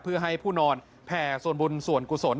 เพื่อให้ผู้นอนแผ่ส่วนบุญส่วนกุศล